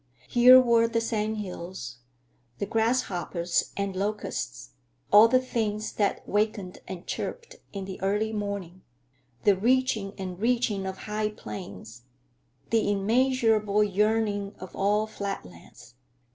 Here were the sand hills, the grasshoppers and locusts, all the things that wakened and chirped in the early morning; the reaching and reaching of high plains, the immeasurable yearning of all flat lands.